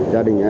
gia đình em